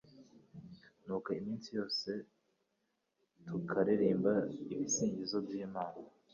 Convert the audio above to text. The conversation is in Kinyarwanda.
Nuko iminsi yose tukaririmba ibisingizo by’Imana